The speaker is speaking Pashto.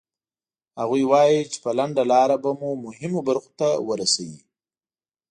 هغوی وایي چې په لنډه لاره به مو مهمو برخو ته ورسوي.